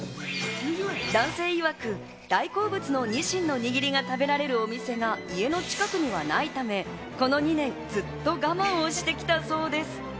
男性いわく、大好物のにしんの握りが食べられるお店が家の近くにはないため、この２年、ずっと我慢をしてきたそうです。